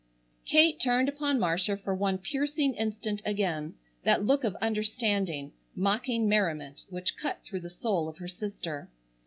Kate turned upon Marcia for one piercing instant again, that look of understanding, mocking merriment, which cut through the soul of her sister.